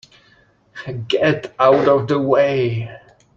Get out of the way!